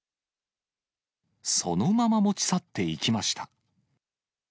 そのまま持ち去っていきました。